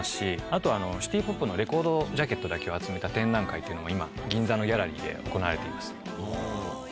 あとシティポップのレコードジャケットだけを集めた展覧会っていうのも今銀座のギャラリーで行われています。